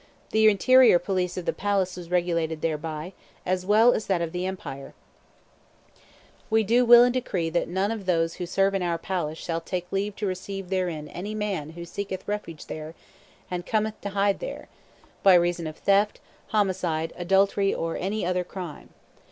The interior police of the palace was regulated thereby, as well as that of the empire: "We do will and decree that none of those who serve in our palace shall take leave to receive therein any man who seeketh refuge there and cometh to hide there, by reason of theft, homicide, adultery, or any other crime.